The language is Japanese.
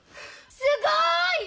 すごい！